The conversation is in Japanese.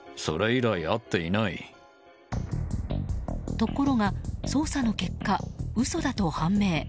ところが捜査の結果嘘だと判明。